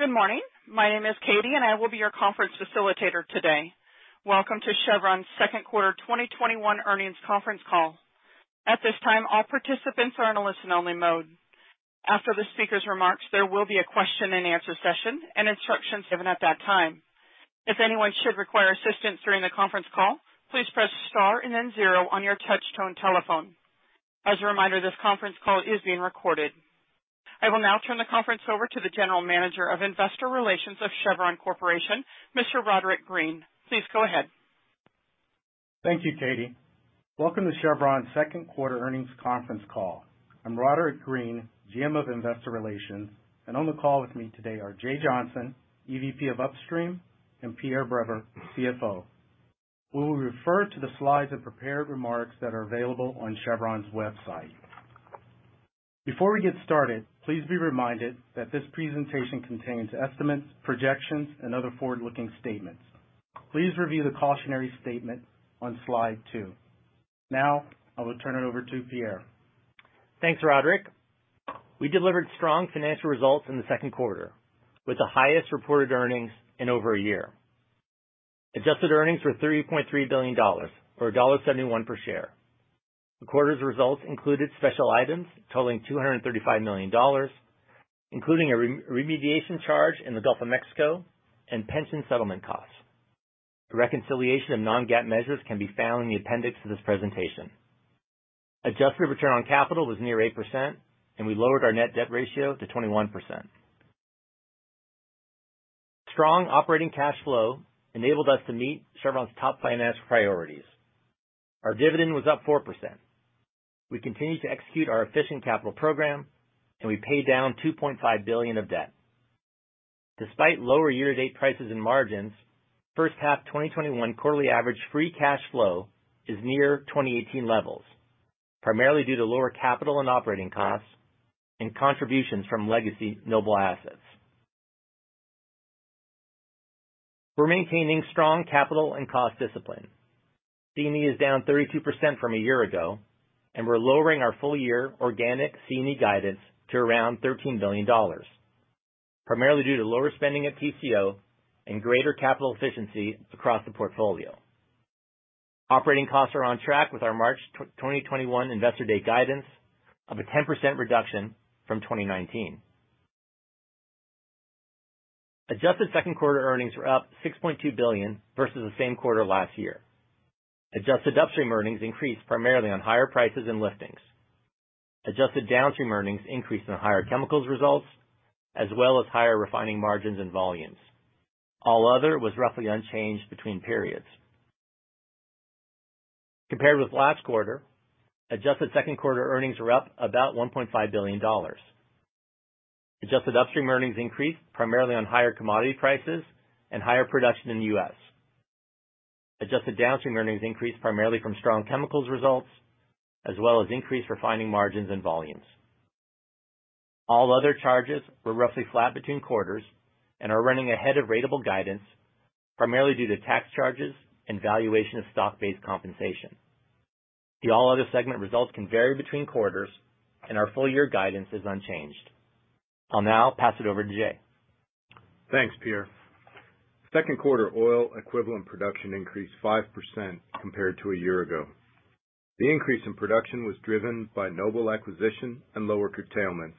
Good morning. My name is Katie, and I will be your conference facilitator today. Welcome to Chevron's Second Quarter 2021 Earnings Conference Call. At this time, all participants are in a listen-only mode. After the speaker's remarks, there will be a question and answer session, and instructions given at that time. If anyone should require assistance during the conference call, please press star and then zero on your touchtone telephone. As a reminder, this conference call is being recorded. I will now turn the conference over to the General Manager of Investor Relations of Chevron Corporation, Mr. Roderick Green. Please go ahead. Thank you, Katie. Welcome to Chevron's Second Quarter Earnings Conference Call. I'm Roderick Green, GM of Investor Relations, and on the call with me today are Jay Johnson, EVP of Upstream, and Pierre Breber, CFO. We will refer to the slides of prepared remarks that are available on Chevron's website. Before we get started, please be reminded that this presentation contains estimates, projections, and other forward-looking statements. Please review the cautionary statement on slide two. Now, I will turn it over to Pierre. Thanks, Roderick. We delivered strong financial results in the second quarter with the highest reported earnings in over a year. Adjusted earnings were $3.3 billion, or $1.71 per share. The quarter's results included special items totaling $235 million, including a remediation charge in the Gulf of Mexico and pension settlement costs. The reconciliation of non-GAAP measures can be found in the appendix to this presentation. Adjusted return on capital was near 8%, and we lowered our net debt ratio to 21%. Strong operating cash flow enabled us to meet Chevron's top finance priorities. Our dividend was up 4%. We continued to execute our efficient capital program, and we paid down $2.5 billion of debt. Despite lower year-to-date prices and margins, first half 2021 quarterly average free cash flow is near 2018 levels, primarily due to lower capital and operating costs and contributions from legacy Noble assets. We're maintaining strong capital and cost discipline. C&E is down 32% from a year ago, and we're lowering our full-year organic C&E guidance to around $13 billion, primarily due to lower spending at TCO and greater capital efficiency across the portfolio. Operating costs are on track with our March 2021 Investor Day guidance of a 10% reduction from 2019. Adjusted second quarter earnings were up $6.2 billion versus the same quarter last year. Adjusted upstream earnings increased primarily on higher prices and liftings. Adjusted downstream earnings increased on higher chemicals results, as well as higher refining margins and volumes. All other was roughly unchanged between periods. Compared with last quarter, adjusted second quarter earnings were up about $1.5 billion. Adjusted upstream earnings increased primarily on higher commodity prices and higher production in the U.S. Adjusted downstream earnings increased primarily from strong chemicals results, as well as increased refining margins and volumes. All other charges were roughly flat between quarters and are running ahead of ratable guidance, primarily due to tax charges and valuation of stock-based compensation. The all other segment results can vary between quarters, and our full-year guidance is unchanged. I'll now pass it over to Jay. Thanks, Pierre. Second quarter oil equivalent production increased 5% compared to a year ago. The increase in production was driven by Noble acquisition and lower curtailments,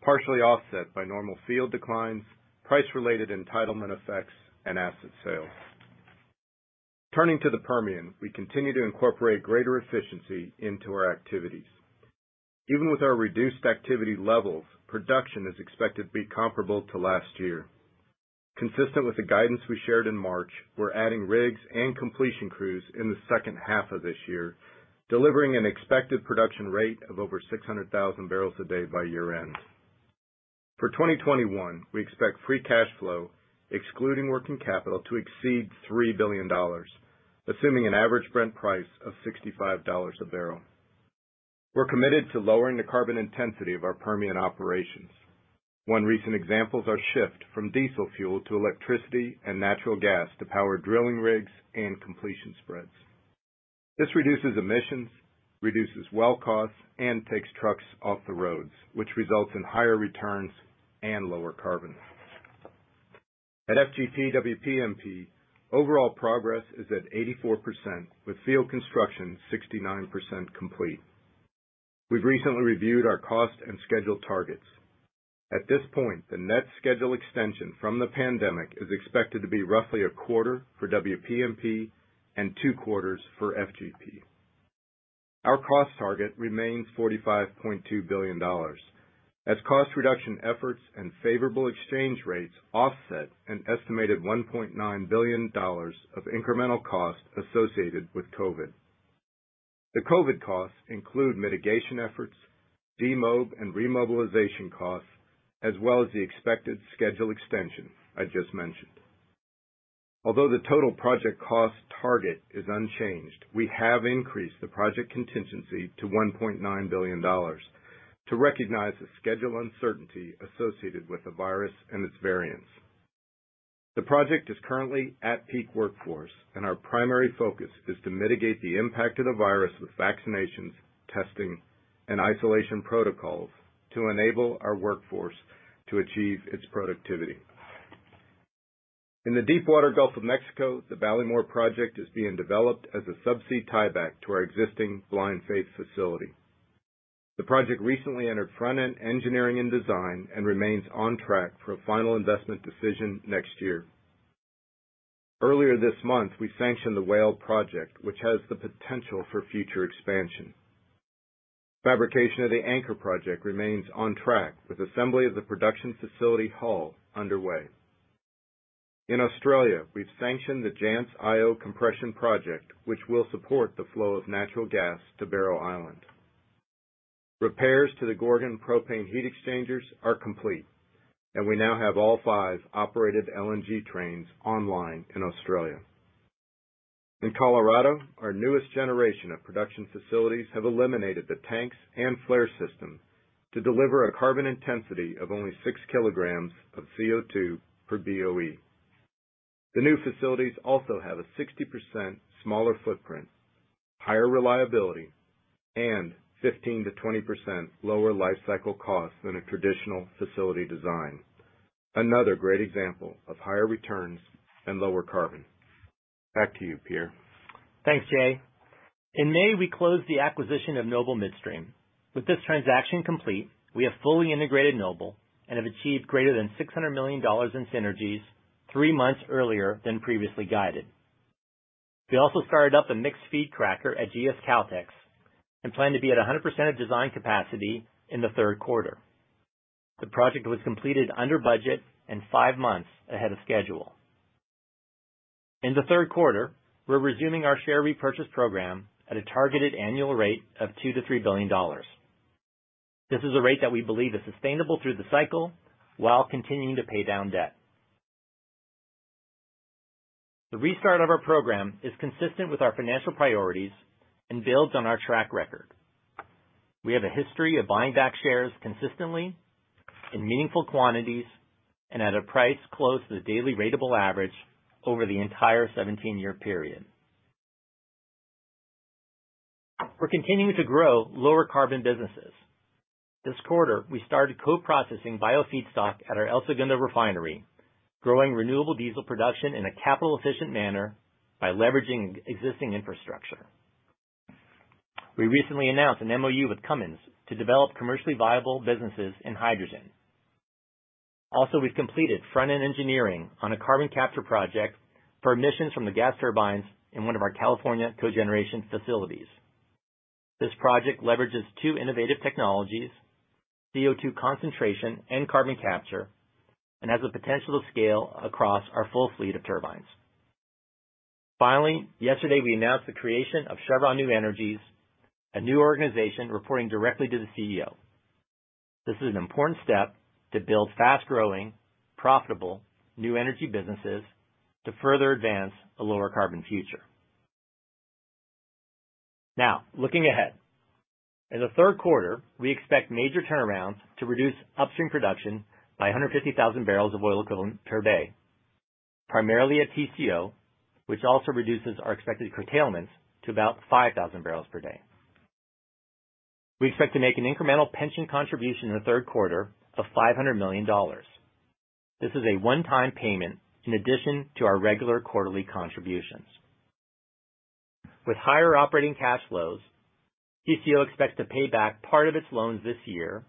partially offset by normal field declines, price-related entitlement effects, and asset sales. Turning to the Permian, we continue to incorporate greater efficiency into our activities. Even with our reduced activity levels, production is expected to be comparable to last year. Consistent with the guidance we shared in March, we're adding rigs and completion crews in the second half of this year, delivering an expected production rate of over 600,000 barrels a day by year-end. For 2021, we expect free cash flow, excluding working capital, to exceed $3 billion, assuming an average Brent price of $65 a barrel. We're committed to lowering the carbon intensity of our Permian operations. One recent example is our shift from diesel fuel to electricity and natural gas to power drilling rigs and completion spreads. This reduces emissions, reduces well costs, and takes trucks off the roads, which results in higher returns and lower carbon. At FGP/WPMP, overall progress is at 84%, with field construction 69% complete. We've recently reviewed our cost and schedule targets. At this point, the net schedule extension from the pandemic is expected to be roughly a quarter for WPMP and two quarters for FGP. Our cost target remains $45.2 billion as cost reduction efforts and favorable exchange rates offset an estimated $1.9 billion of incremental costs associated with COVID. The COVID costs include mitigation efforts, demob and remobilization costs, as well as the expected schedule extension I just mentioned. Although the total project cost target is unchanged, we have increased the project contingency to $1.9 billion to recognize the schedule uncertainty associated with the virus and its variants. The project is currently at peak workforce, and our primary focus is to mitigate the impact of the virus with vaccinations, testing, and isolation protocols to enable our workforce to achieve its productivity. In the deepwater Gulf of Mexico, the Ballymore project is being developed as a sub-sea tieback to our existing Blind Faith facility. The project recently entered front-end engineering and design and remains on track for a final investment decision next year. Earlier this month, we sanctioned the Whale project, which has the potential for future expansion. Fabrication of the Anchor project remains on track, with assembly of the production facility hull underway. In Australia, we've sanctioned the Jansz-Io Compression project, which will support the flow of natural gas to Barrow Island. Repairs to the Gorgon propane heat exchangers are complete, and we now have all five operated LNG trains online in Australia. In Colorado, our newest generation of production facilities have eliminated the tanks and flare system to deliver a carbon intensity of only 6 kg of CO2 per BOE. The new facilities also have a 60% smaller footprint, higher reliability, and 15%-20% lower lifecycle cost than a traditional facility design. Another great example of higher returns and lower carbon. Back to you, Pierre. Thanks, Jay. In May, we closed the acquisition of Noble Midstream. With this transaction complete, we have fully integrated Noble and have achieved greater than $600 million in synergies three months earlier than previously guided. We also started up a mixed feed cracker at GS Caltex and plan to be at 100% of design capacity in the third quarter. The project was completed under budget and five months ahead of schedule. In the third quarter, we're resuming our share repurchase program at a targeted annual rate of $2 billion-$3 billion. This is a rate that we believe is sustainable through the cycle while continuing to pay down debt. The restart of our program is consistent with our financial priorities and builds on our track record. We have a history of buying back shares consistently, in meaningful quantities, and at a price close to the daily ratable average over the entire 17-year period. We're continuing to grow lower carbon businesses. This quarter, we started co-processing bio feedstock at our El Segundo refinery, growing renewable diesel production in a capital-efficient manner by leveraging existing infrastructure. We recently announced an MOU with Cummins to develop commercially viable businesses in hydrogen. Also, we've completed front-end engineering on a carbon capture project for emissions from the gas turbines in one of our California cogeneration facilities. This project leverages two innovative technologies, CO2 concentration and carbon capture, and has the potential to scale across our full fleet of turbines. Finally, yesterday, we announced the creation of Chevron New Energies, a new organization reporting directly to the CEO. This is an important step to build fast-growing, profitable new energy businesses to further advance a lower carbon future. Now, looking ahead. In the third quarter, we expect major turnarounds to reduce upstream production by 150,000 barrels of oil equivalent per day, primarily at TCO, which also reduces our expected curtailments to about 5,000 barrels per day. We expect to make an incremental pension contribution in the third quarter of $500 million. This is a one-time payment in addition to our regular quarterly contributions. With higher operating cash flows, TCO expects to pay back part of its loans this year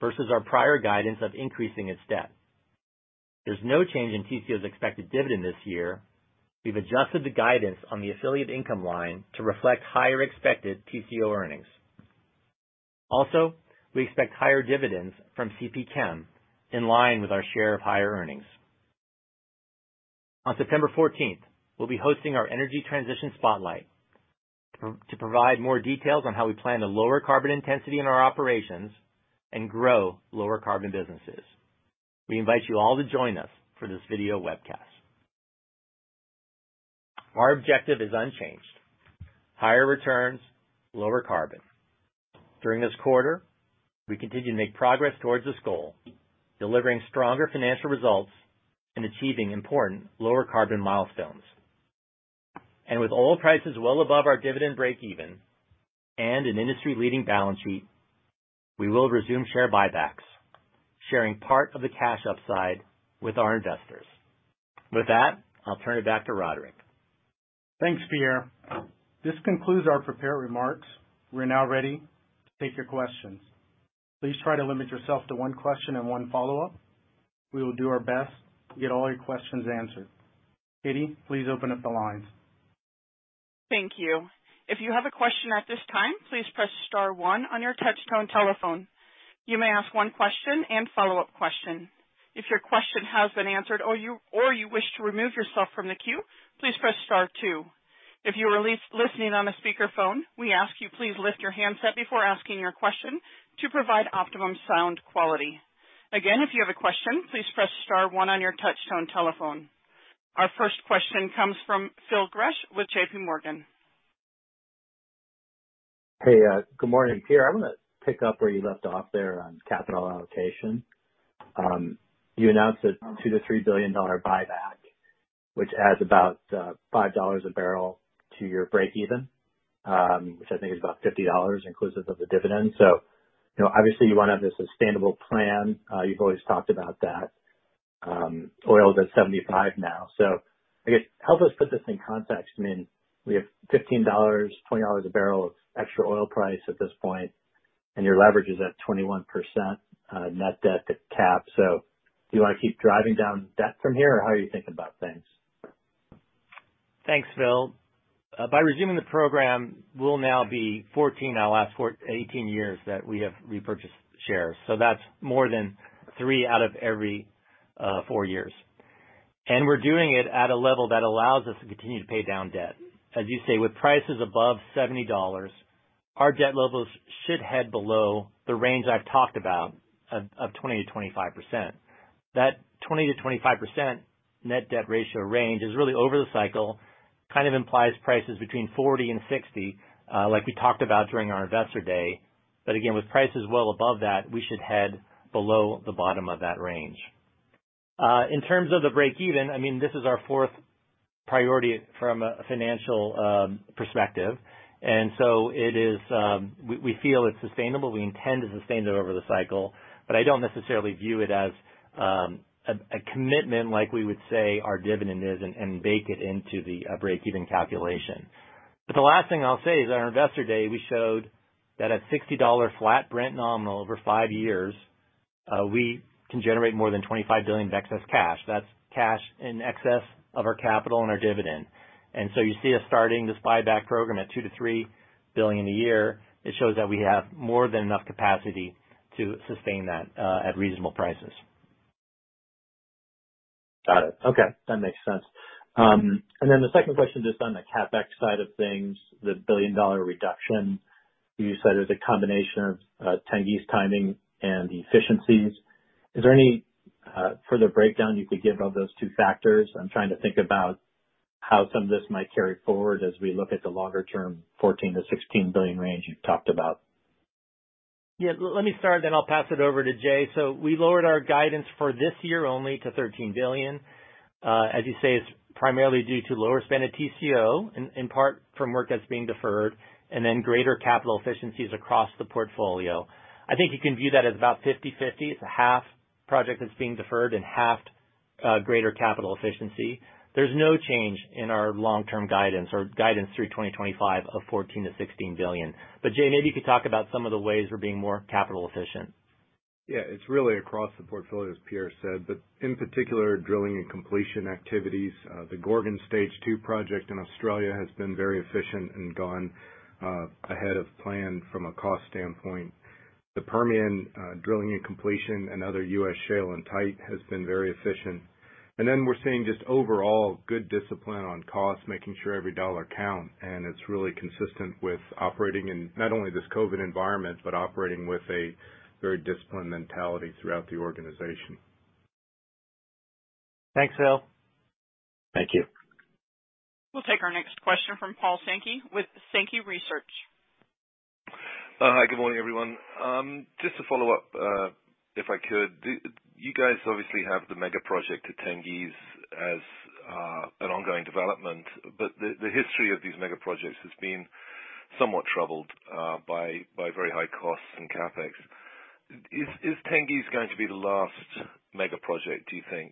versus our prior guidance of increasing its debt. There's no change in TCO's expected dividend this year. We've adjusted the guidance on the affiliate income line to reflect higher expected TCO earnings. We expect higher dividends from CPChem in line with our share of higher earnings. On September 14th, we'll be hosting our energy transition spotlight to provide more details on how we plan to lower carbon intensity in our operations and grow lower carbon businesses. We invite you all to join us for this video webcast. Our objective is unchanged: higher returns, lower carbon. During this quarter, we continue to make progress towards this goal, delivering stronger financial results and achieving important lower carbon milestones. With oil prices well above our dividend break-even and an industry-leading balance sheet, we will resume share buybacks, sharing part of the cash upside with our investors. With that, I'll turn it back to Roderick. Thanks, Pierre. This concludes our prepared remarks. We're now ready to take your questions. Please try to limit yourself to one question and one follow-up. We will do our best to get all your questions answered. Katie, please open up the lines. Thank you. If you have a question at this time, please press star one on your touchtone telephone. You may ask one question and follow-up question. If your question has been answered or you wish to remove yourself from the queue, please press star two. If you are listening on a speakerphone, we ask you please lift your handset before asking your question to provide optimum sound quality. Again, if you have a question, please press star one on your touchtone telephone. Our first question comes from Phil Gresh with JPMorgan. Hey, good morning, Pierre. I want to pick up where you left off there on capital allocation. You announced a $2 billion-$3 billion buyback, which adds about $5 a barrel to your breakeven, which I think is about $50 inclusive of the dividend. Obviously you want to have a sustainable plan. You've always talked about that. Oil is at $75 now. I guess help us put this in context. We have $15-$20 a barrel of extra oil price at this point, and your leverage is at 21% net debt to cap. Do you want to keep driving down debt from here? How are you thinking about things? Thanks, Phil. By resuming the program, we'll now be 18 years that we have repurchased shares. That's more than three out of every four years. We're doing it at a level that allows us to continue to pay down debt. As you say, with prices above $70, our debt levels should head below the range I've talked about of 20%-25%. That 20%-25% net debt ratio range is really over the cycle, kind of implies prices between $40 and $60, like we talked about during our investor day. Again, with prices well above that, we should head below the bottom of that range. In terms of the breakeven, this is our fourth priority from a financial perspective. We feel it's sustainable. We intend to sustain it over the cycle, I don't necessarily view it as a commitment like we would say our dividend is and bake it into the breakeven calculation. The last thing I'll say is at our investor day, we showed that at $60 flat Brent nominal over five years, we can generate more than $25 billion of excess cash. That's cash in excess of our capital and our dividend. You see us starting this buyback program at $2 billion-$3 billion a year. It shows that we have more than enough capacity to sustain that at reasonable prices. Got it. Okay. That makes sense. The second question, just on the CapEx side of things, the $1 billion reduction, you said it was a combination of Tengiz timing and efficiencies. Is there any further breakdown you could give of those two factors? I'm trying to think about how some of this might carry forward as we look at the longer-term $14 billion-$16 billion range you've talked about. Yeah, let me start, then I'll pass it over to Jay. We lowered our guidance for this year only to $13 billion. As you say, it's primarily due to lower spend at TCO, in part from work that's being deferred, and then greater capital efficiencies across the portfolio. I think you can view that as about 50/50. It's half project that's being deferred and half greater capital efficiency. There's no change in our long-term guidance or guidance through 2025 of $14 billion-$16 billion. Jay, maybe you could talk about some of the ways we're being more capital efficient. Yeah, it's really across the portfolio, as Pierre said, but in particular, drilling and completion activities. The Gorgon Stage 2 project in Australia has been very efficient and gone ahead of plan from a cost standpoint. The Permian drilling and completion and other U.S. shale and tight has been very efficient. We're seeing just overall good discipline on cost, making sure every dollar count, and it's really consistent with operating in not only this COVID environment, but operating with a very disciplined mentality throughout the organization. Thanks, Phil. Thank you. We'll take our next question from Paul Sankey with Sankey Research. Hi, good morning, everyone. Just to follow up, if I could, you guys obviously have the mega project at Tengiz as an ongoing development, but the history of these mega projects has been somewhat troubled by very high costs and CapEx. Is Tengiz going to be the last mega project, do you think?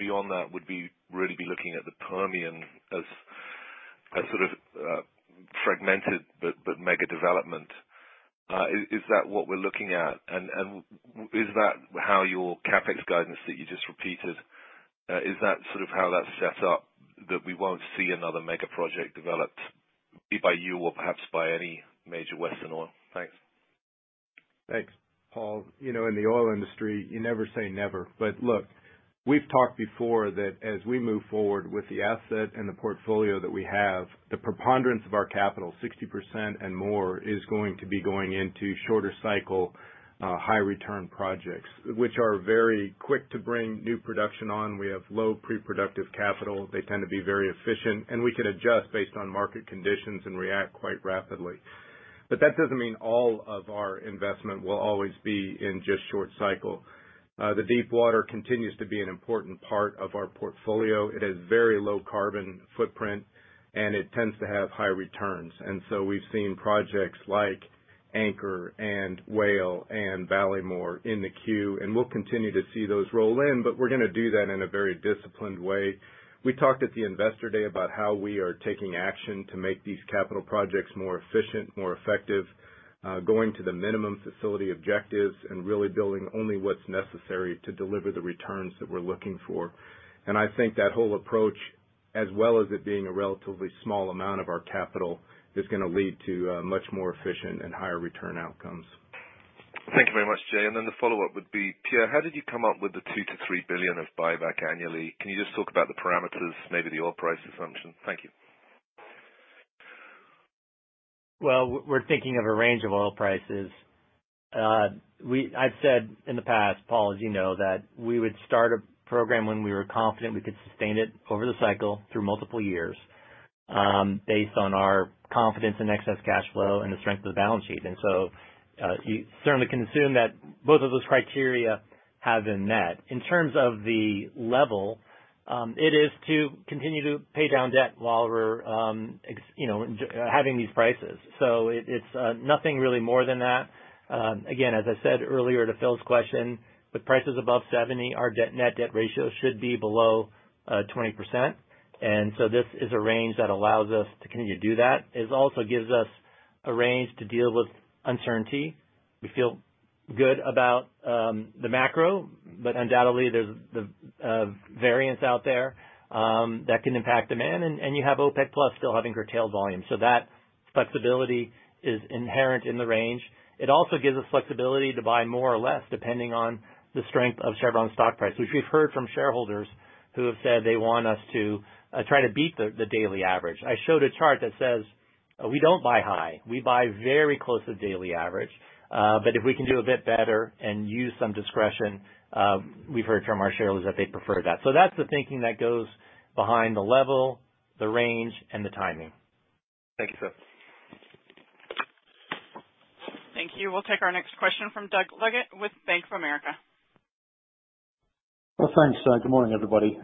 Beyond that, would we really be looking at the Permian as a sort of fragmented but mega development? Is that what we're looking at? Is that how your CapEx guidance that you just repeated, is that sort of how that's set up, that we won't see another mega project developed, be by you or perhaps by any major Western oil? Thanks. Thanks. Paul. In the oil industry, you never say never. Look, we've talked before that as we move forward with the asset and the portfolio that we have, the preponderance of our capital, 60% and more, is going to be going into shorter cycle, high return projects, which are very quick to bring new production on. We have low pre-productive capital. They tend to be very efficient, and we can adjust based on market conditions and react quite rapidly. That doesn't mean all of our investment will always be in just short cycle. The deepwater continues to be an important part of our portfolio. It has very low carbon footprint, and it tends to have high returns. We've seen projects like Anchor and Whale and Ballymore in the queue, and we'll continue to see those roll in, but we're going to do that in a very disciplined way. We talked at the investor day about how we are taking action to make these capital projects more efficient, more effective, going to the minimum facility objectives, and really building only what's necessary to deliver the returns that we're looking for. I think that whole approach, as well as it being a relatively small amount of our capital, is going to lead to much more efficient and higher return outcomes. Thank you very much, Jay. Then the follow-up would be, Pierre, how did you come up with the $2 billion-$3 billion of buyback annually? Can you just talk about the parameters, maybe the oil price assumption? Thank you. Well, we're thinking of a range of oil prices. I've said in the past, Paul, as you know, that we would start a program when we were confident we could sustain it over the cycle through multiple years, based on our confidence in excess cash flow and the strength of the balance sheet. You certainly can assume that both of those criteria have been met. In terms of the level, it is to continue to pay down debt while we're having these prices. It's nothing really more than that. As I said earlier to Phil's question, with prices above $70, our net debt ratio should be below 20%. This is a range that allows us to continue to do that. It also gives us a range to deal with uncertainty. We feel good about the macro. Undoubtedly, there's the variance out there that can impact demand. You have OPEC+ still having curtailed volume. That flexibility is inherent in the range. It also gives us flexibility to buy more or less, depending on the strength of Chevron's stock price, which we've heard from shareholders who have said they want us to try to beat the daily average. I showed a chart that says we don't buy high. We buy very close to daily average. If we can do a bit better and use some discretion, we've heard from our shareholders that they prefer that. That's the thinking that goes behind the level, the range, and the timing. Thank you, sir. Thank you. We'll take our next question from Doug Leggate with Bank of America. Well, thanks. Good morning, everybody.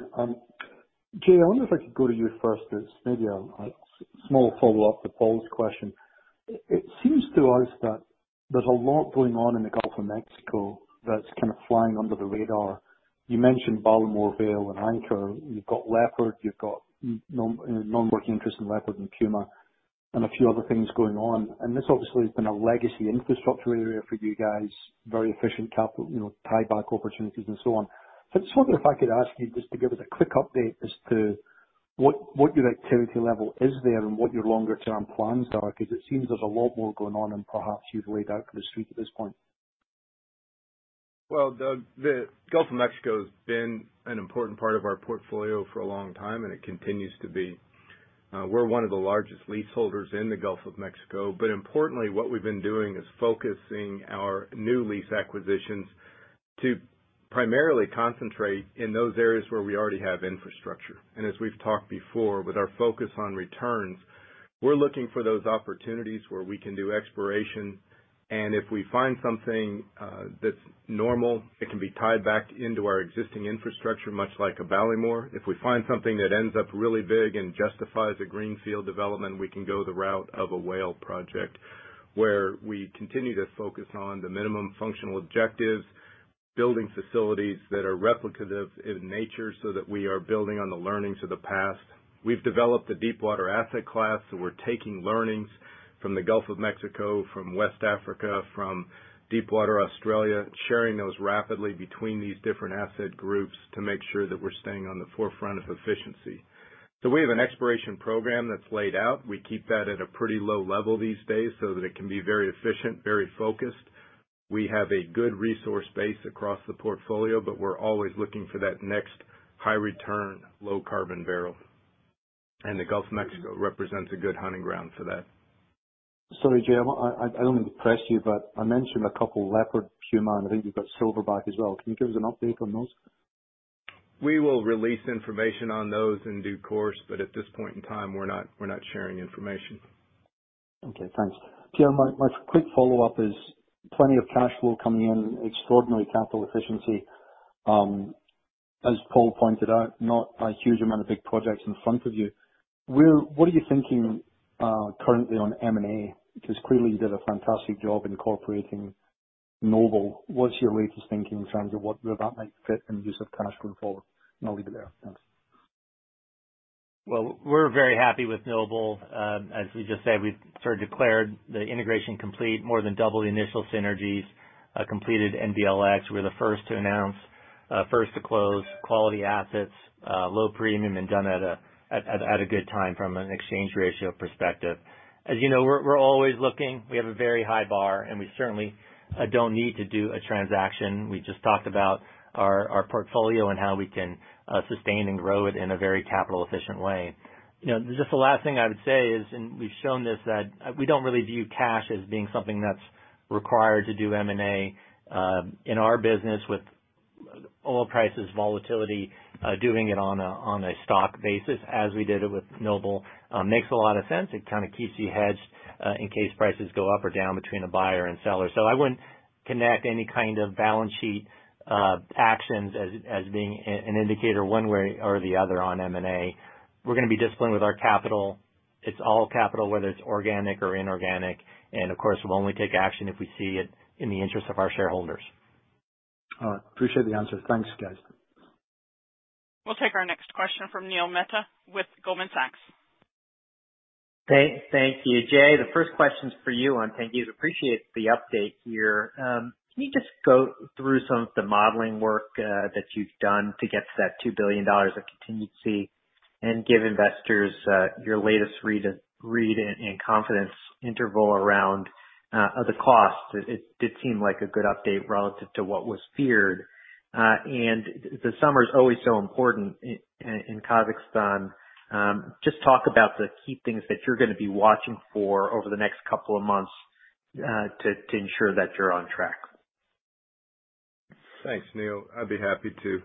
Jay, I wonder if I could go to you first, as maybe a small follow-up to Paul's question. It seems to us that there's a lot going on in the Gulf of Mexico that's kind of flying under the radar. You mentioned Ballymore, Whale, and Anchor. You've got Leopard, you've got non-working interest in Leopard and Puma, and a few other things going on. This obviously has been a legacy infrastructure area for you guys, very efficient capital, tie back opportunities, and so on. I just wonder if I could ask you just to give us a quick update as to what your activity level is there and what your longer-term plans are, because it seems there's a lot more going on than perhaps you've laid out to the Street at this point. Well, Doug, the Gulf of Mexico has been an important part of our portfolio for a long time, and it continues to be. We're one of the largest leaseholders in the Gulf of Mexico. Importantly, what we've been doing is focusing our new lease acquisitions to primarily concentrate in those areas where we already have infrastructure. As we've talked before, with our focus on returns, we're looking for those opportunities where we can do exploration, and if we find something that's normal, it can be tied back into our existing infrastructure, much like a Ballymore. If we find something that ends up really big and justifies a greenfield development, we can go the route of a Whale project, where we continue to focus on the minimum functional objectives, building facilities that are replicative in nature so that we are building on the learnings of the past. We've developed a deep water asset class, so we're taking learnings from the Gulf of Mexico, from West Africa, from Deepwater Australia, sharing those rapidly between these different asset groups to make sure that we're staying on the forefront of efficiency. We have an exploration program that's laid out. We keep that at a pretty low level these days so that it can be very efficient, very focused. We have a good resource base across the portfolio, we're always looking for that next high-return, low-carbon barrel. The Gulf of Mexico represents a good hunting ground for that. Sorry, Jay. I don't mean to press you, but I mentioned a couple, Leopard, Puma, and I think we've got Silverback as well. Can you give us an update on those? We will release information on those in due course, but at this point in time, we're not sharing information. Okay, thanks. Jay, my quick follow-up is plenty of cash flow coming in, extraordinary capital efficiency. As Paul pointed out, not a huge amount of big projects in front of you. What are you thinking currently on M&A? Clearly, you did a fantastic job incorporating Noble. What's your latest thinking in terms of where that might fit in use of cash going forward? I'll leave it there. Thanks. Well, we're very happy with Noble. As we just said, we've sort of declared the integration complete, more than double the initial synergies, completed NBLX. We're the first to announce, first to close quality assets, low premium, and done at a good time from an exchange ratio perspective. As you know, we're always looking. We have a very high bar, and we certainly don't need to do a transaction. We just talked about our portfolio and how we can sustain and grow it in a very capital-efficient way. Just the last thing I would say is, and we've shown this, that we don't really view cash as being something that's required to do M&A. In our business with oil prices volatility, doing it on a stock basis, as we did it with Noble, makes a lot of sense. It kind of keeps you hedged in case prices go up or down between a buyer and seller. I wouldn't connect any kind of balance sheet actions as being an indicator one way or the other on M&A. We're going to be disciplined with our capital. It's all capital, whether it's organic or inorganic, and of course, we'll only take action if we see it in the interest of our shareholders. All right. Appreciate the answer. Thanks, guys. We'll take our next question from Neil Mehta with Goldman Sachs. Thank you. Jay, the first question's for you on Tengiz. Appreciate the update here. Can you just go through some of the modeling work that you've done to get to that $2 billion of contingency and give investors your latest read and confidence interval around the cost? It did seem like a good update relative to what was feared. The summer is always so important in Kazakhstan. Just talk about the key things that you're going to be watching for over the next couple of months to ensure that you're on track. Thanks, Neil. I'd be happy to.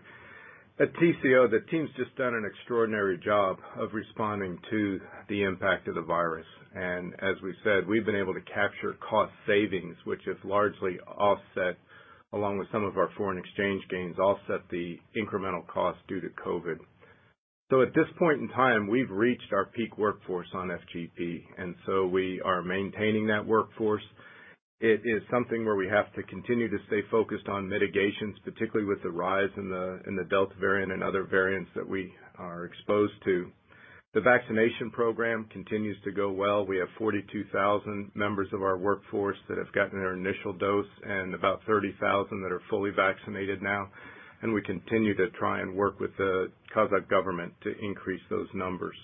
At TCO, the team's just done an extraordinary job of responding to the impact of the virus. As we said, we've been able to capture cost savings, which have largely, along with some of our foreign exchange gains, offset the incremental cost due to COVID. At this point in time, we've reached our peak workforce on FGP, and so we are maintaining that workforce. It is something where we have to continue to stay focused on mitigations, particularly with the rise in the Delta variant and other variants that we are exposed to. The vaccination program continues to go well. We have 42,000 members of our workforce that have gotten their initial dose, and about 30,000 that are fully vaccinated now, and we continue to try and work with the Kazakh government to increase those numbers.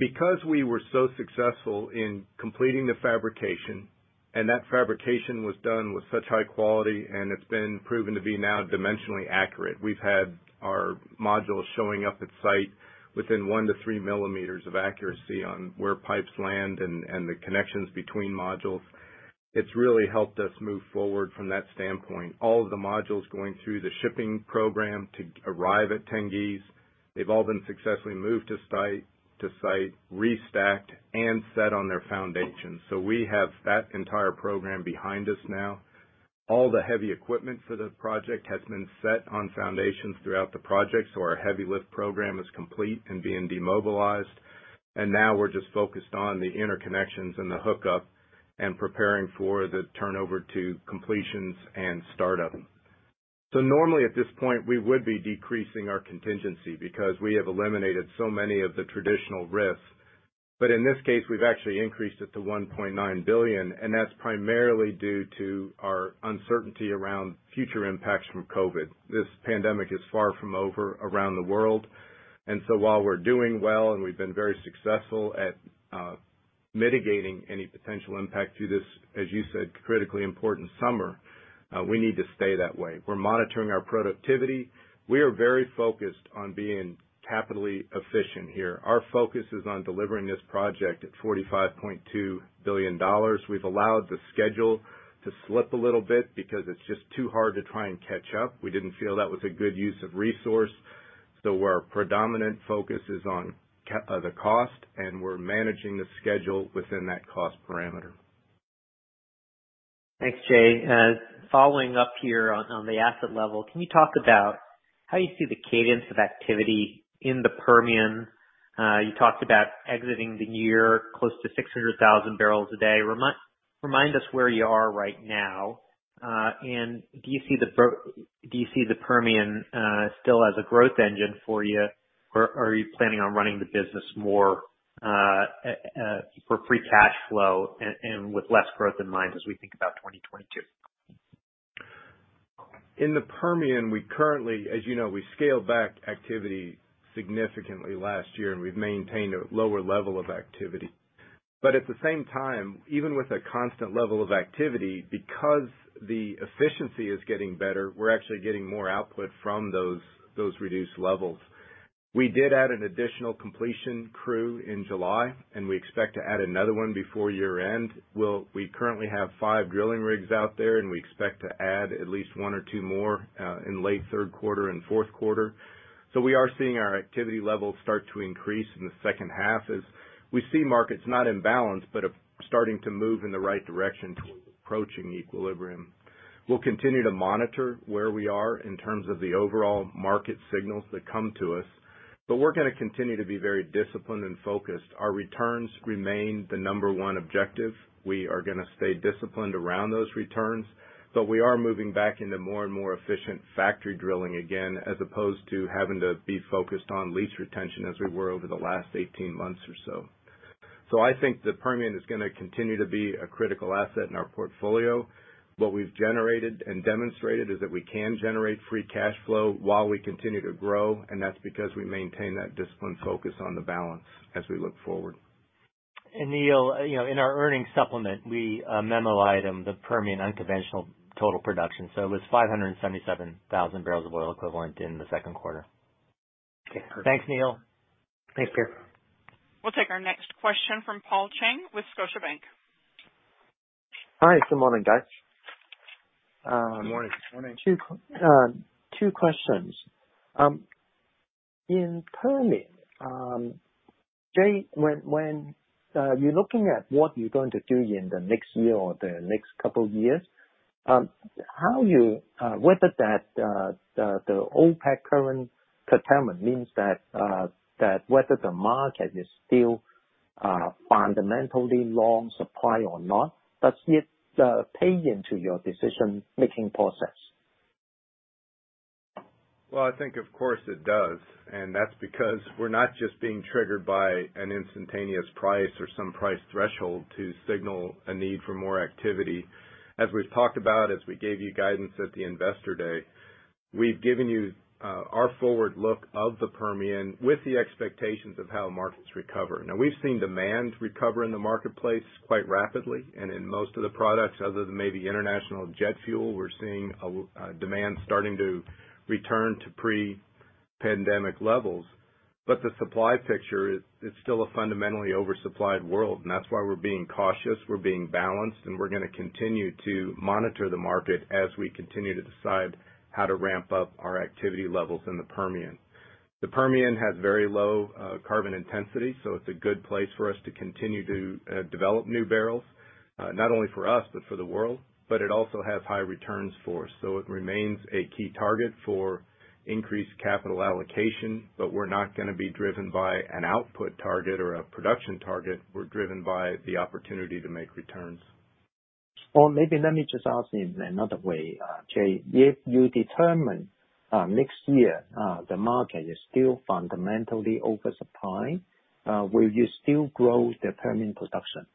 Because we were so successful in completing the fabrication, and that fabrication was done with such high quality, and it's been proven to be now dimensionally accurate. We've had our modules showing up at site within 1-3 mm of accuracy on where pipes land and the connections between modules. It's really helped us move forward from that standpoint. All of the modules going through the shipping program to arrive at Tengiz, they've all been successfully moved to site, restacked, and set on their foundations. We have that entire program behind us now. All the heavy equipment for the project has been set on foundations throughout the project, so our heavy lift program is complete and being demobilized. Now we're just focused on the interconnections and the hookup and preparing for the turnover to completions and startup. Normally at this point, we would be decreasing our contingency because we have eliminated so many of the traditional risks. In this case, we've actually increased it to $1.9 billion, and that's primarily due to our uncertainty around future impacts from COVID. This pandemic is far from over around the world, and so while we're doing well and we've been very successful at mitigating any potential impact through this, as you said, critically important summer, we need to stay that way. We're monitoring our productivity. We are very focused on being capitally efficient here. Our focus is on delivering this project at $45.2 billion. We've allowed the schedule to slip a little bit because it's just too hard to try and catch up. We didn't feel that was a good use of resource. Our predominant focus is on the cost, and we're managing the schedule within that cost parameter. Thanks, Jay. Following up here on the asset level, can you talk about how you see the cadence of activity in the Permian? You talked about exiting the year close to 600,000 barrels a day. Remind us where you are right now. Do you see the Permian still as a growth engine for you, or are you planning on running the business more for free cash flow and with less growth in mind as we think about 2022? In the Permian, as you know, we scaled back activity significantly last year, and we've maintained a lower level of activity. At the same time, even with a constant level of activity, because the efficiency is getting better, we're actually getting more output from those reduced levels. We did add an additional completion crew in July, and we expect to add another one before year-end. We currently have five drilling rigs out there, and we expect to add at least one or two more in late third quarter and fourth quarter. We are seeing our activity levels start to increase in the second half as we see markets not in balance, but starting to move in the right direction towards approaching equilibrium. We'll continue to monitor where we are in terms of the overall market signals that come to us, but we're going to continue to be very disciplined and focused. Our returns remain the number one objective. We are going to stay disciplined around those returns, but we are moving back into more and more efficient factory drilling again, as opposed to having to be focused on lease retention as we were over the last 18 months or so. I think the Permian is going to continue to be a critical asset in our portfolio. What we've generated and demonstrated is that we can generate free cash flow while we continue to grow, and that's because we maintain that disciplined focus on the balance as we look forward. Neil, in our earnings supplement, we memo item the Permian unconventional total production. It was 577,000 barrels of oil equivalent in the second quarter. Okay, perfect. Thanks, Neil. Thanks, Pierre. We'll take our next question from Paul Cheng with Scotiabank. Hi, good morning, guys. Good morning. Good morning. Two questions. In Permian, Jay, when you're looking at what you're going to do in the next year or the next couple of years, whether the OPEC current procurement means that whether the market is still fundamentally long supply or not, does it play into your decision-making process? Well, I think of course it does, and that's because we're not just being triggered by an instantaneous price or some price threshold to signal a need for more activity. As we've talked about, as we gave you guidance at the investor day, we've given you our forward look of the Permian with the expectations of how markets recover. We've seen demand recover in the marketplace quite rapidly, and in most of the products other than maybe international jet fuel, we're seeing demand starting to return to pre-pandemic levels. The supply picture is still a fundamentally oversupplied world, and that's why we're being cautious, we're being balanced, and we're going to continue to monitor the market as we continue to decide how to ramp up our activity levels in the Permian. The Permian has very low carbon intensity, so it's a good place for us to continue to develop new barrels, not only for us, but for the world. It also has high returns for us. It remains a key target for increased capital allocation, but we're not going to be driven by an output target or a production target. We're driven by the opportunity to make returns. Maybe let me just ask in another way, Jay. If you determine next year the market is still fundamentally oversupply, will you still grow the Permian production?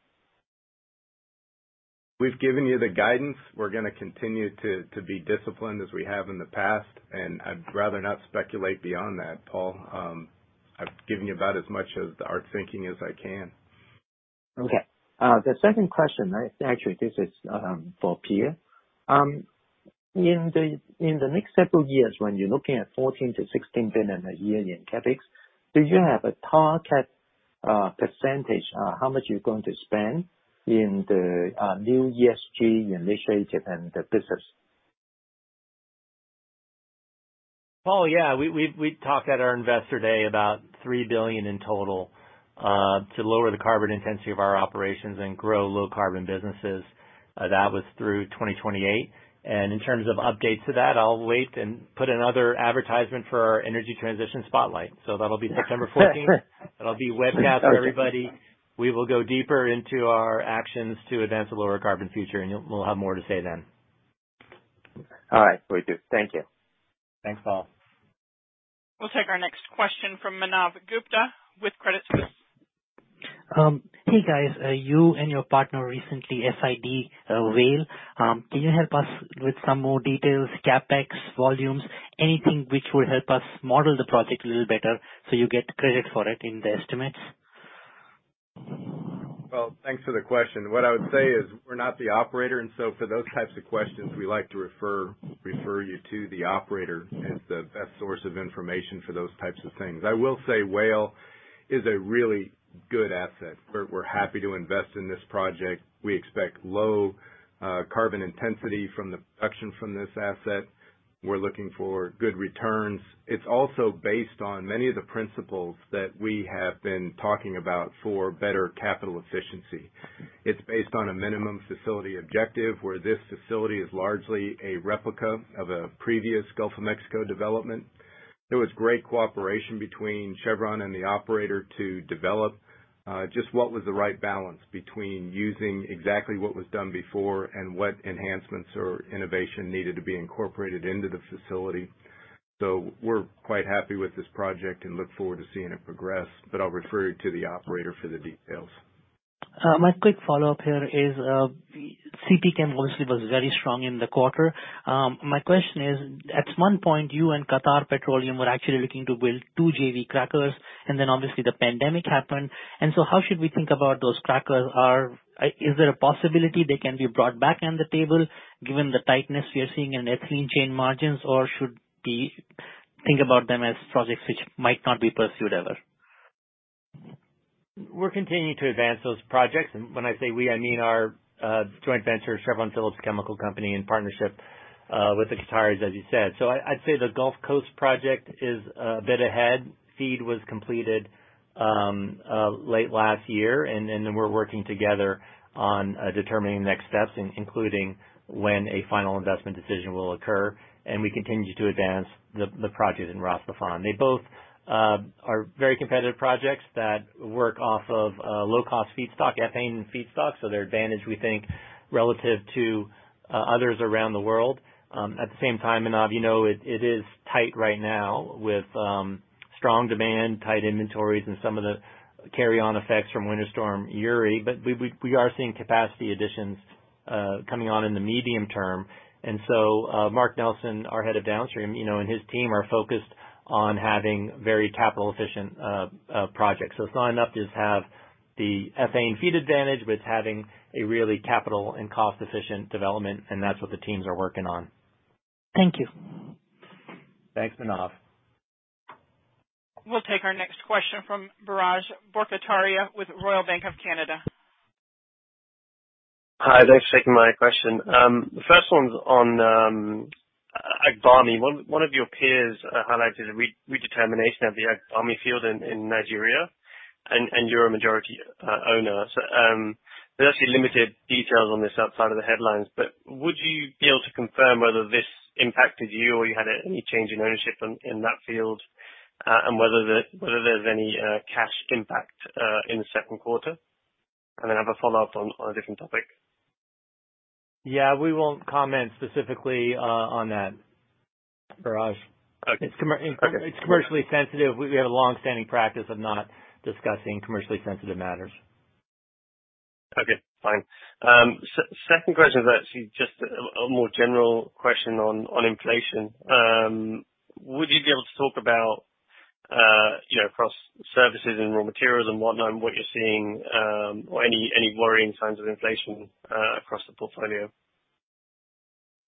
We've given you the guidance. We're going to continue to be disciplined as we have in the past. I'd rather not speculate beyond that, Paul. I've given you about as much of our thinking as I can. Okay. The second question, actually, this is for Pierre. In the next several years, when you're looking at $14 billion-$16 billion a year in CapEx, do you have a target percentage on how much you're going to spend in the new ESG initiative and the business? Paul, yeah. We talked at our Investor Day about $3 billion in total to lower the carbon intensity of our operations and grow low carbon businesses. That was through 2028. In terms of updates to that, I'll wait and put another advertisement for our Energy Transition Spotlight. That'll be September 14th. Okay. That'll be webcast for everybody. We will go deeper into our actions to advance a lower carbon future. We'll have more to say then. All right. Will do. Thank you. Thanks, Paul. We'll take our next question from Manav Gupta with Credit Suisse. Hey, guys. You and your partner recently, FID Whale. Can you help us with some more details, CapEx, volumes, anything which will help us model the project a little better so you get credit for it in the estimates? Thanks for the question. What I would say is we're not the operator, for those types of questions, we like to refer you to the operator as the best source of information for those types of things. I will say Whale is a really good asset. We're happy to invest in this project. We expect low carbon intensity from the production from this asset. We're looking for good returns. It's also based on many of the principles that we have been talking about for better capital efficiency. It's based on a minimum facility objective, where this facility is largely a replica of a previous Gulf of Mexico development. There was great cooperation between Chevron and the operator to develop just what was the right balance between using exactly what was done before and what enhancements or innovation needed to be incorporated into the facility. We're quite happy with this project and look forward to seeing it progress, but I'll refer you to the operator for the details. My quick follow-up here is, CPChem obviously was very strong in the quarter. My question is, at one point, you and Qatar Petroleum were actually looking to build two JV crackers, obviously the pandemic happened. How should we think about those crackers? Is there a possibility they can be brought back on the table given the tightness we are seeing in ethylene chain margins? Should we think about them as projects which might not be pursued ever? We're continuing to advance those projects. When I say we, I mean our joint venture, Chevron Phillips Chemical Company, in partnership with the Qatar is as you said. I'd say the Gulf Coast project is a bit ahead. FEED was completed late last year, we're working together on determining next steps, including when a final investment decision will occur. We continue to advance the project in Ras Laffan. They both are very competitive projects that work off of low-cost feedstock, ethane and feedstock, they're advantaged, we think, relative to others around the world. At the same time, Manav, you know it is tight right now with strong demand, tight inventories, and some of the carry-on effects from Winter Storm Uri. We are seeing capacity additions coming on in the medium term. Mark Nelson, our head of downstream, and his team are focused on having very capital-efficient projects. It's not enough to just have the ethane feed advantage, but it's having a really capital and cost-efficient development, and that's what the teams are working on. Thank you. Thanks, Manav. We'll take our next question from Biraj Borkhataria with Royal Bank of Canada. Hi, thanks for taking my question. The first one's on Agbami. One of your peers highlighted a redetermination of the Agbami field in Nigeria, and you're a majority owner. There's actually limited details on this outside of the headlines, but would you be able to confirm whether this impacted you or you had any change in ownership in that field? Whether there's any cash impact in the second quarter? I have a follow-up on a different topic. Yeah, we won't comment specifically on that, Biraj. Okay. It's commercially sensitive. We have a long-standing practice of not discussing commercially sensitive matters. Okay, fine. Second question is actually just a more general question on inflation. Would you be able to talk about across services and raw materials and whatnot, what you're seeing, or any worrying signs of inflation across the portfolio?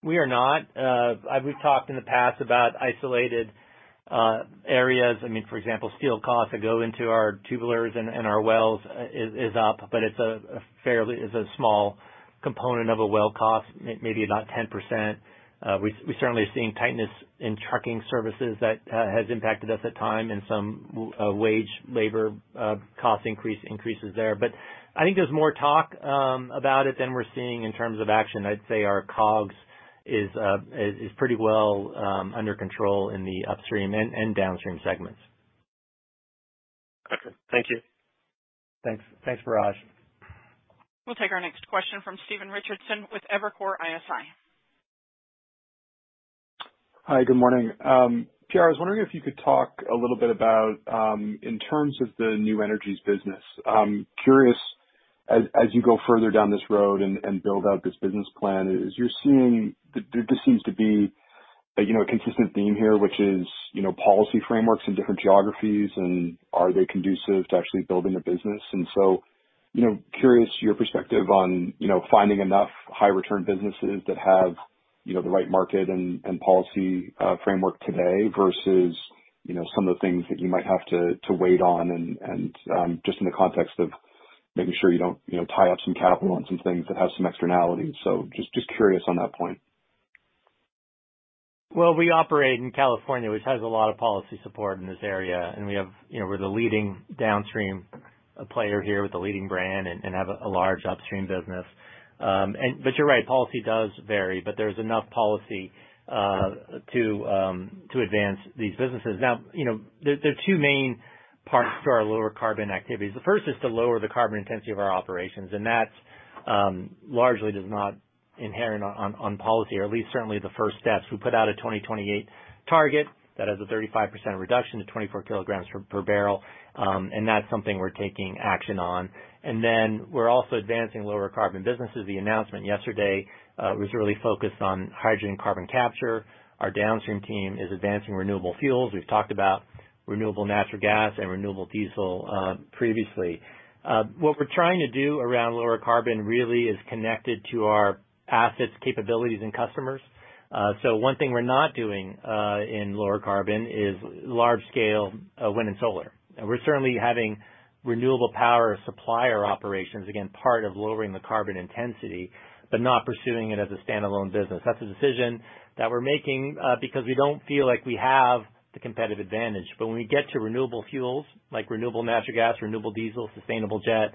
We are not. We've talked in the past about isolated areas. For example, steel costs that go into our tubulars and our wells is up, but it's a small component of a well cost, maybe about 10%. We certainly are seeing tightness in trucking services that has impacted us at time, and some wage labor cost increases there. I think there's more talk about it than we're seeing in terms of action. I'd say our COGS is pretty well under control in the upstream and downstream segments. Okay. Thank you. Thanks, Biraj. We'll take our next question from Stephen Richardson with Evercore ISI. Hi, good morning. Pierre, I was wondering if you could talk a little bit about, in terms of the New Energies business. I'm curious, as you go further down this road and build out this business plan, there seems to be a consistent theme here, which is policy frameworks in different geographies, and are they conducive to actually building a business? Curious your perspective on finding enough high return businesses that have the right market and policy framework today versus some of the things that you might have to wait on and just in the context of making sure you don't tie up some capital on some things that have some externalities. Just curious on that point. Well, we operate in California, which has a lot of policy support in this area, and we're the leading downstream player here with the leading brand and have a large upstream business. You're right, policy does vary, but there's enough policy to advance these businesses. Now, there are two main parts to our lower carbon activities. The first is to lower the carbon intensity of our operations, and that largely does not inherent on policy, or at least certainly the first steps. We put out a 2028 target that has a 35% reduction to 24 kg per barrel, and that's something we're taking action on. Then we're also advancing lower carbon businesses. The announcement yesterday was really focused on hydrogen carbon capture. Our downstream team is advancing renewable fuels. We've talked about renewable natural gas and renewable diesel previously. What we're trying to do around lower carbon really is connected to our assets, capabilities, and customers. One thing we're not doing in lower carbon is large scale wind and solar. We're certainly having renewable power supplier operations, again, part of lowering the carbon intensity, but not pursuing it as a standalone business. That's a decision that we're making because we don't feel like we have the competitive advantage. When we get to renewable fuels, like renewable natural gas, renewable diesel, sustainable jet,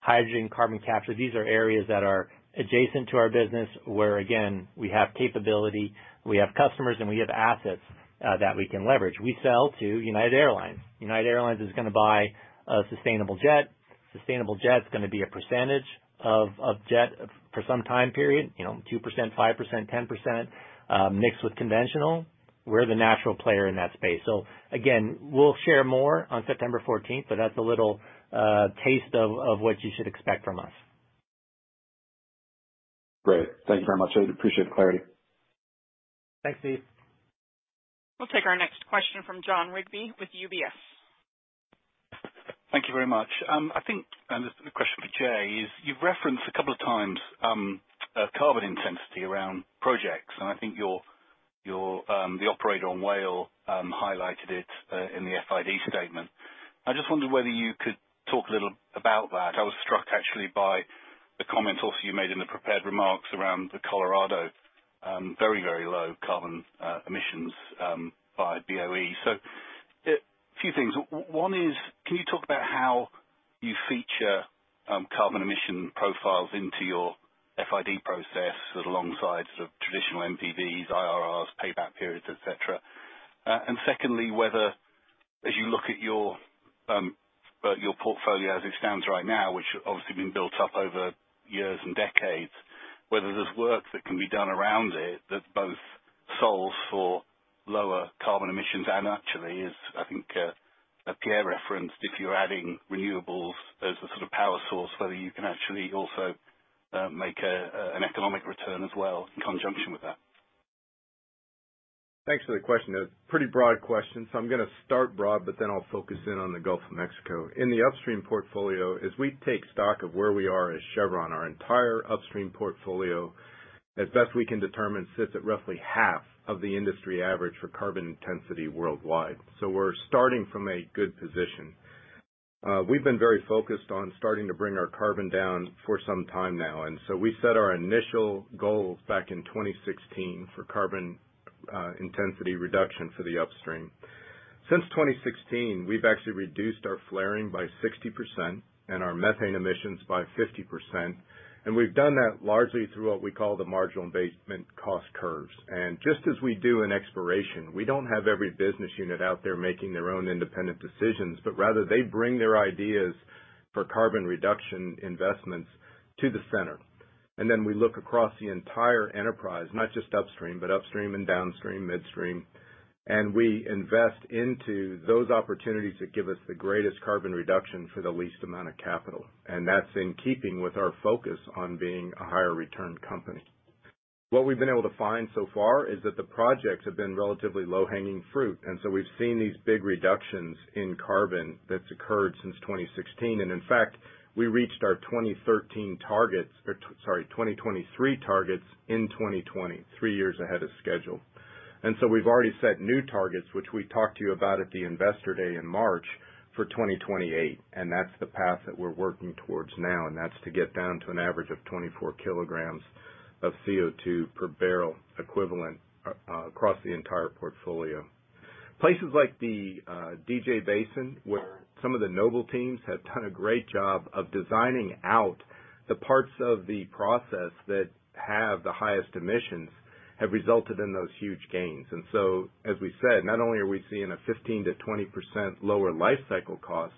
hydrogen, carbon capture, these are areas that are adjacent to our business, where again, we have capability, we have customers, and we have assets that we can leverage. We sell to United Airlines. United Airlines is going to buy a sustainable jet. Sustainable jet is going to be a percentage of jet for some time period, 2%, 5%, 10%, mixed with conventional. We're the natural player in that space. Again, we'll share more on September 14th, but that's a little taste of what you should expect from us. Great. Thank you very much. Really appreciate the clarity. Thanks, Steve. We'll take our next question from Jon Rigby with UBS. Thank you very much. I think the question for Jay is, you've referenced a couple of times carbon intensity around projects. I think the operator on Whale highlighted it in the FID statement. I just wonder whether you could talk a little about that. I was struck actually by the comments also you made in the prepared remarks around the Colorado very, very low carbon emissions by BOE. A few things. One is, can you talk about how you feature carbon emission profiles into your FID process alongside sort of traditional NPVs, IRRs, payback periods, et cetera? Secondly, whether as you look at your portfolio as it stands right now, which obviously been built up over years and decades, whether there's work that can be done around it that both solves for lower carbon emissions and actually is, I think, as Pierre referenced, if you're adding renewables as a sort of power source, whether you can actually also make an economic return as well in conjunction with that. Thanks for the question. A pretty broad question, so I'm going to start broad, but then I'll focus in on the Gulf of Mexico. In the upstream portfolio, as we take stock of where we are as Chevron, our entire upstream portfolio, as best we can determine, sits at roughly half of the industry average for carbon intensity worldwide. So we're starting from a good position. We've been very focused on starting to bring our carbon down for some time now, and so we set our initial goals back in 2016 for carbon intensity reduction for the upstream. Since 2016, we've actually reduced our flaring by 60% and our methane emissions by 50%, and we've done that largely through what we call the marginal abatement cost curves. Just as we do in exploration, we don't have every business unit out there making their own independent decisions, but rather they bring their ideas for carbon reduction investments to the center. Then we look across the entire enterprise, not just upstream, but upstream and downstream, midstream, and we invest into those opportunities that give us the greatest carbon reduction for the least amount of capital. That's in keeping with our focus on being a higher return company. What we've been able to find so far is that the projects have been relatively low-hanging fruit, and so we've seen these big reductions in carbon that's occurred since 2016. In fact, we reached our 2023 targets in 2020, three years ahead of schedule. We've already set new targets, which we talked to you about at the Investor Day in March for 2028, and that's the path that we're working towards now. That's to get down to an average of 24 kg of CO2 per barrel equivalent across the entire portfolio. Places like the DJ Basin, where some of the Noble teams have done a great job of designing out the parts of the process that have the highest emissions, have resulted in those huge gains. As we said, not only are we seeing a 15%-20% lower lifecycle cost,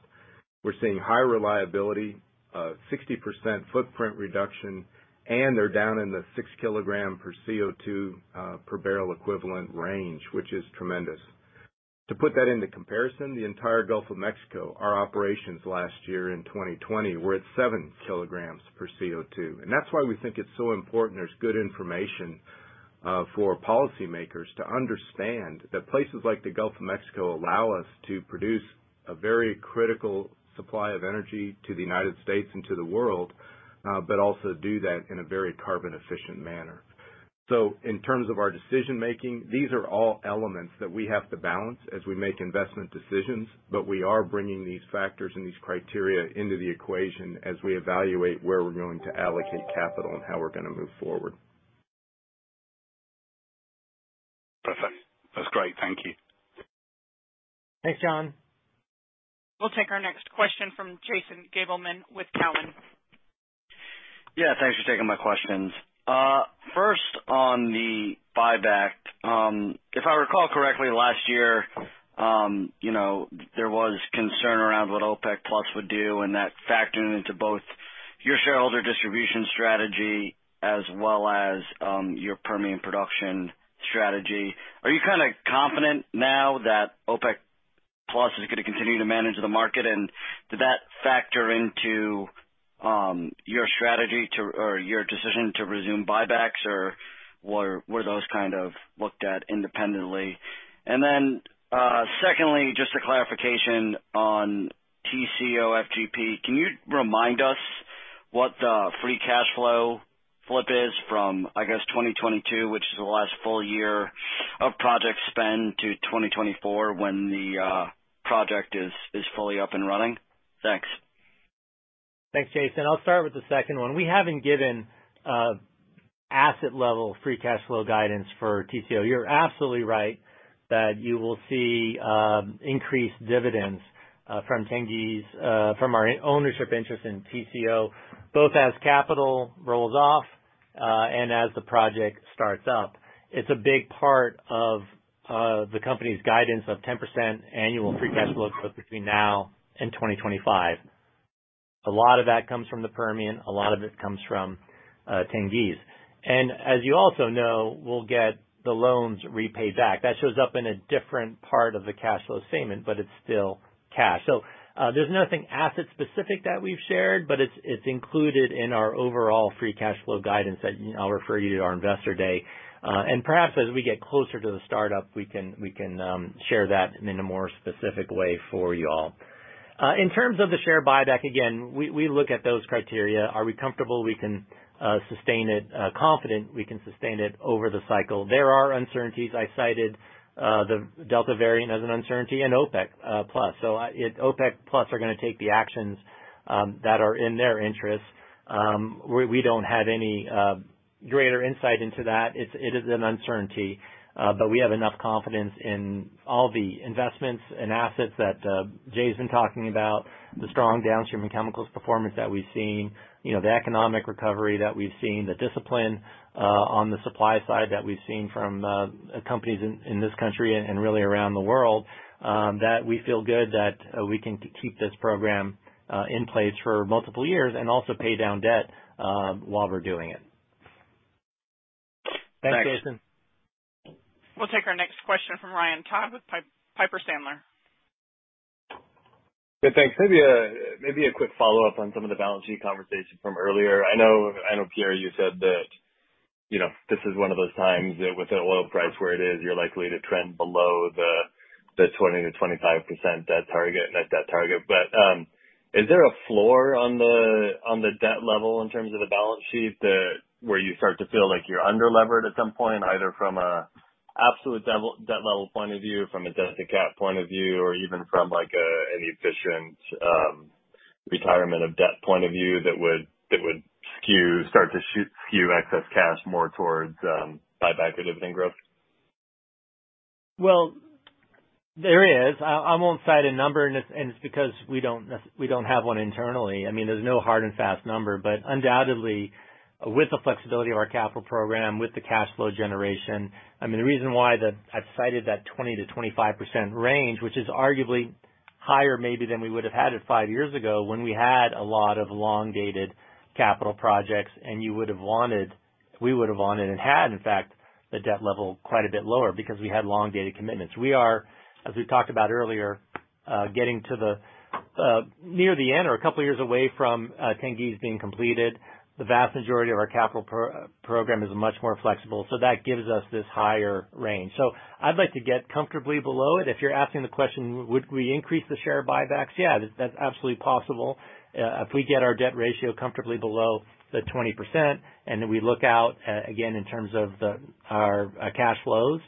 we're seeing high reliability, a 60% footprint reduction, and they're down in the 6 kg per CO2, per barrel equivalent range, which is tremendous. To put that into comparison, the entire Gulf of Mexico, our operations last year in 2020 were at 7 kg per CO2. That's why we think it's so important there's good information for policymakers to understand that places like the Gulf of Mexico allow us to produce a very critical supply of energy to the U.S. and to the world, but also do that in a very carbon efficient manner. In terms of our decision-making, these are all elements that we have to balance as we make investment decisions, but we are bringing these factors and these criteria into the equation as we evaluate where we're going to allocate capital and how we're going to move forward. Perfect. That's great. Thank you. Thanks, Jon. We'll take our next question from Jason Gabelman with Cowen. Thanks for taking my questions. First, on the buyback. If I recall correctly, last year, there was concern around what OPEC+ would do, and that factored into both your shareholder distribution strategy as well as your Permian production strategy. Are you kind of confident now that OPEC+ is going to continue to manage the market? Did that factor into your strategy or your decision to resume buybacks? Were those kind of looked at independently? Secondly, just a clarification on TCO/FGP. Can you remind us what the free cash flow flip is from, I guess, 2022, which is the last full year of project spend, to 2024 when the project is fully up and running? Thanks. Thanks, Jason. I'll start with the second one. We haven't given asset level free cash flow guidance for TCO. You're absolutely right that you will see increased dividends from Tengiz from our ownership interest in TCO, both as capital rolls off, and as the project starts up. It's a big part of the company's guidance of 10% annual free cash flow growth between now and 2025. A lot of that comes from the Permian. A lot of it comes from Tengiz. As you also know, we'll get the loans repaid back. That shows up in a different part of the cash flow statement, but it's still cash. There's nothing asset specific that we've shared, but it's included in our overall free cash flow guidance that I'll refer you to at our Investor Day. Perhaps as we get closer to the startup, we can share that in a more specific way for you all. In terms of the share buyback, again, we look at those criteria. Are we comfortable we can sustain it, confident we can sustain it over the cycle? There are uncertainties. I cited the Delta variant as an uncertainty and OPEC+. OPEC+ are going to take the actions that are in their interest. We don't have any greater insight into that. It is an uncertainty. We have enough confidence in all the investments and assets that Jay's been talking about, the strong downstream and chemicals performance that we've seen, the economic recovery that we've seen, the discipline on the supply side that we've seen from companies in this country and really around the world, that we feel good that we can keep this program in place for multiple years and also pay down debt while we're doing it. Thanks. Thanks, Jason. We'll take our next question from Ryan Todd with Piper Sandler. Yeah, thanks. Maybe a quick follow-up on some of the balance sheet conversation from earlier. I know, Pierre, you said that this is one of those times that with the oil price where it is, you're likely to trend below the 20%-25% net debt target. Is there a floor on the debt level in terms of the balance sheet where you start to feel like you're under-levered at some point, either from an absolute debt level point of view or from a debt to cap point of view, or even from an efficient retirement of debt point of view that would start to skew excess cash more towards buyback or dividend growth? There is. I won't cite a number, and it's because we don't have one internally. There's no hard and fast number, undoubtedly, with the flexibility of our capital program, with the cash flow generation, the reason why I've cited that 20%-25% range, which is arguably higher maybe than we would have had it five years ago when we had a lot of long-dated capital projects, you would have wanted, we would have wanted and had, in fact, the debt level quite a bit lower because we had long-dated commitments. We are, as we talked about earlier, getting near the end or a couple years away from Tengiz being completed. The vast majority of our capital program is much more flexible, that gives us this higher range. I'd like to get comfortably below it. If you're asking the question, would we increase the share buybacks? Yeah, that's absolutely possible. If we get our debt ratio comfortably below the 20% and then we look out, again, in terms of our cash flows,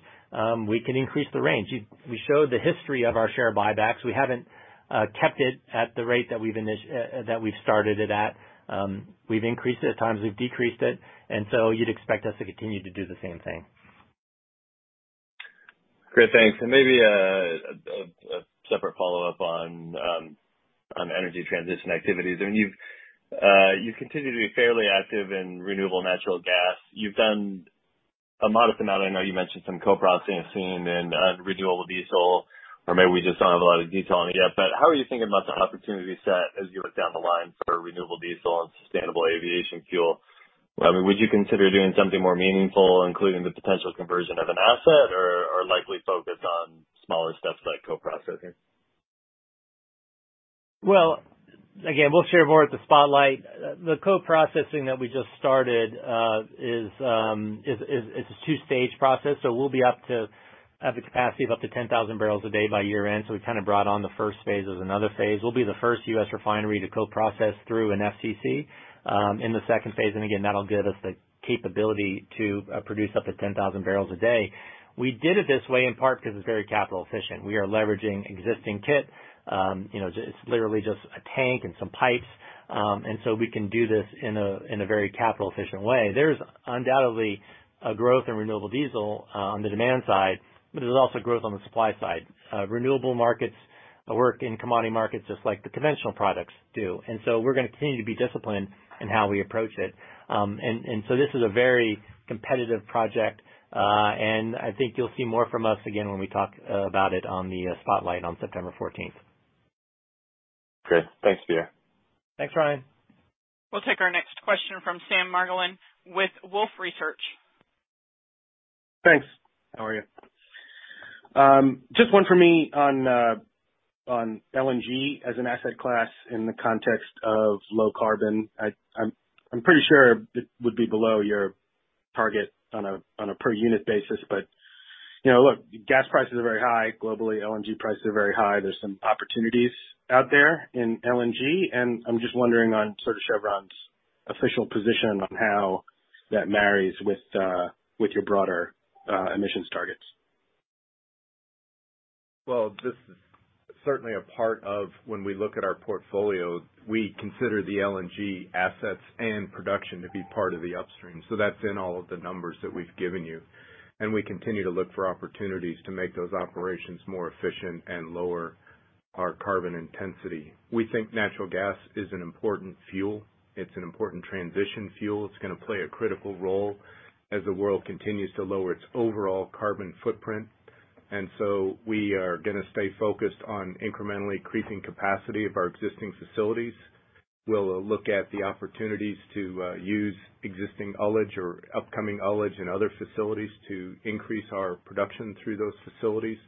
we can increase the range. We showed the history of our share buybacks. We haven't kept it at the rate that we've started it at. We've increased it at times, we've decreased it, and so you'd expect us to continue to do the same thing. Great. Thanks. Maybe a separate follow-up on energy transition activities. I mean, you've continued to be fairly active in renewable natural gas. You've done a modest amount. I know you mentioned some co-processing seen in renewable diesel or maybe we just don't have a lot of detail on it yet, but how are you thinking about the opportunity set as you look down the line for renewable diesel and sustainable aviation fuel? I mean, would you consider doing something more meaningful, including the potential conversion of an asset or likely focus on smaller stuff like co-processing? Well, again, we'll share more at the spotlight. The co-processing that we just started is a two-stage process. We'll be up to have a capacity of up to 10,000 barrels a day by year-end. There's another phase. We'll be the first U.S. refinery to co-process through an FCC in the second phase, and again, that'll give us the capability to produce up to 10,000 barrels a day. We did it this way, in part, because it's very capital efficient. We are leveraging existing kit. It's literally just a tank and some pipes. We can do this in a very capital efficient way. There's undoubtedly a growth in renewable diesel on the demand side, but there's also growth on the supply side. Renewable markets work in commodity markets just like the conventional products do, we're going to continue to be disciplined in how we approach it. This is a very competitive project, I think you'll see more from us again when we talk about it on the spotlight on September 14th. Great. Thanks, Pierre. Thanks, Ryan. We'll take our next question from Sam Margolin with Wolfe Research. Thanks. How are you? Just one for me on LNG as an asset class in the context of low carbon. I'm pretty sure it would be below your target on a per unit basis, but look, gas prices are very high globally. LNG prices are very high. There's some opportunities out there in LNG, and I'm just wondering on sort of Chevron's official position on how that marries with your broader emissions targets. This is certainly a part of when we look at our portfolio, we consider the LNG assets and production to be part of the upstream. That's in all of the numbers that we've given you. We continue to look for opportunities to make those operations more efficient and lower our carbon intensity. We think natural gas is an important fuel. It's an important transition fuel. It's going to play a critical role as the world continues to lower its overall carbon footprint. We are going to stay focused on incrementally increasing capacity of our existing facilities. We'll look at the opportunities to use existing tonnage or upcoming tonnage and other facilities to increase our production through those facilities.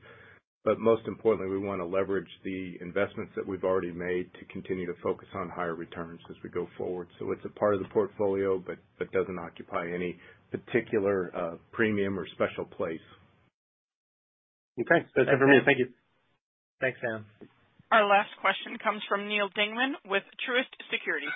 Most importantly, we want to leverage the investments that we've already made to continue to focus on higher returns as we go forward. It's a part of the portfolio, but that doesn't occupy any particular premium or special place. Okay. That's everything. Thank you. Thanks, Sam. Our last question comes from Neal Dingmann with Truist Securities.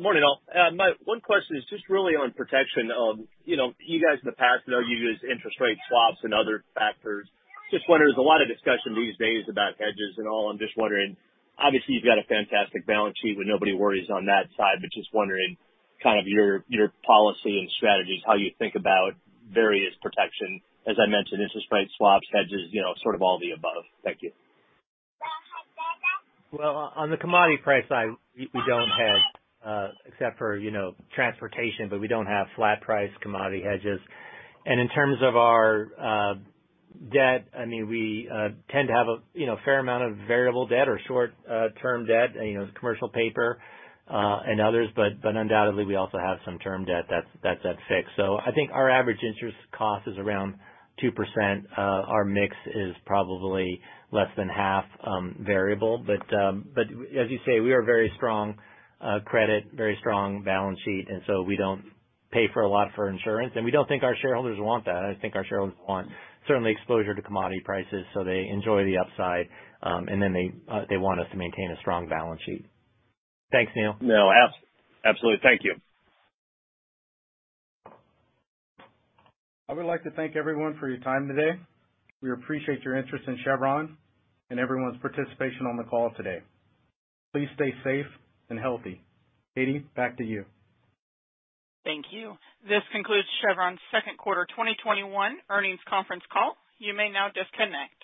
Morning, all. My one question is just really on protection of, you guys in the past, I know you used interest rate swaps and other factors. Just wondering, there's a lot of discussion these days about hedges and all, I'm just wondering, obviously, you've got a fantastic balance sheet where nobody worries on that side, but just wondering kind of your policy and strategies, how you think about various protection, as I mentioned, interest rate swaps, hedges, sort of all the above. Thank you. Well, on the commodity price side, we don't hedge, except for transportation, but we don't have flat price commodity hedges. In terms of our debt, I mean, we tend to have a fair amount of variable debt or short-term debt, commercial paper, and others, but undoubtedly, we also have some term debt that's at fixed. I think our average interest cost is around 2%. Our mix is probably less than half variable. As you say, we are very strong credit, very strong balance sheet, and we don't pay for a lot for insurance, and we don't think our shareholders want that. I think our shareholders want certainly exposure to commodity prices, they enjoy the upside, and they want us to maintain a strong balance sheet. Thanks, Neal. No, absolutely. Thank you. I would like to thank everyone for your time today. We appreciate your interest in Chevron and everyone's participation on the call today. Please stay safe and healthy. Katie, back to you. Thank you. This concludes Chevron's second quarter 2021 earnings conference call. You may now disconnect.